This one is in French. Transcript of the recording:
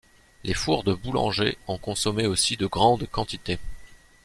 Les fours de boulanger en consommaient aussi de grandes quantités.